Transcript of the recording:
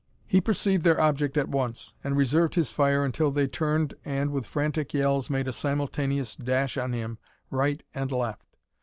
He perceived their object at once, and reserved his fire until they turned and with frantic yells made a simultaneous dash on him right and left.